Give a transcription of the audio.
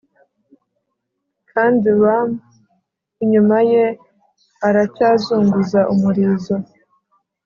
kandi rum inyuma ye aracyazunguza umurizo